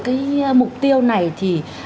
cái mục tiêu này thì